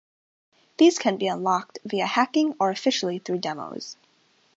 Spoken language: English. These can be unlocked via hacking or officially through demos.